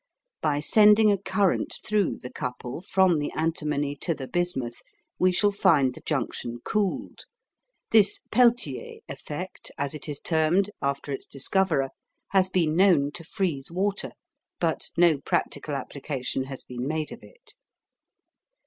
By sending a current through the couple from the antimony to the bismuth we shall find the junction cooled. This "Peltier effect," as it is termed, after its discoverer, has been known to freeze water, but no practical application has been made of it.